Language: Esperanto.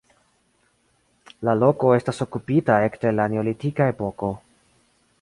La loko estas okupita ekde la neolitika epoko.